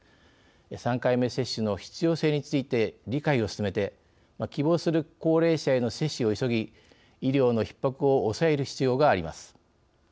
３回目接種の必要性について理解を進めて希望する高齢者への接種を急ぎ医療のひっ迫を抑える必要があります。